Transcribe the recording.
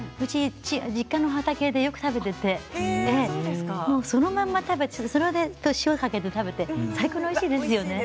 実家の畑でよく食べていてそのまま食べてそれから塩をかけて食べて最高においしいです。